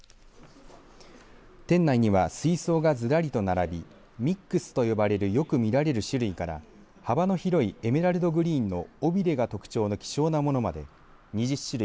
店内には水槽がずらりと並びミックスと呼ばれるよく見られる種類から幅の広いエメラルドグリーンの尾びれが特徴の希少なものまで２０種類